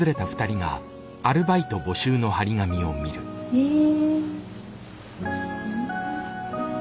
へえ。